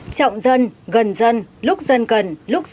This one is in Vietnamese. trọng dân gần dân lúc dân cần lúc dân